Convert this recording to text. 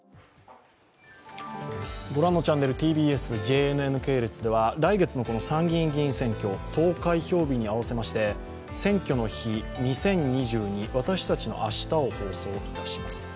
御覧のチャンネル、ＴＢＳ、ＪＮＮ系列では来月の参議院議員選挙、投開票に合わせまして「選挙の日２０２２私たちの明日」を放送します。